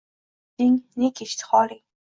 Nega o‘yga botding, ne kechdi holing?!